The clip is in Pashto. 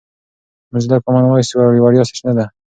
موزیلا کامن وایس یوه وړیا سرچینه ده.